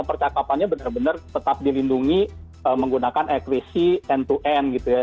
percakapannya benar benar tetap dilindungi menggunakan ekvisi end to end gitu ya